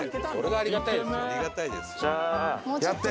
「ありがたいですよ」